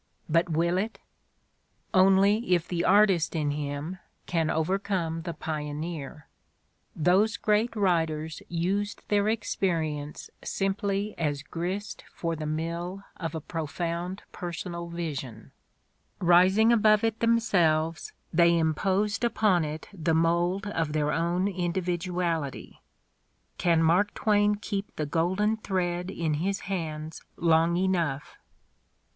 But will it? Only if the artist in him can overcome the pioneer. Those great writers used their experience simply as grist for the mill of a profound personal vision; rising above it themselves, they im 51 52 The Ordeal of Mark Twain posed upon it the mold of their own individuality. Can Mark Twain keep the golden thread in his hands long enough?